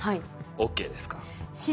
ＯＫですか？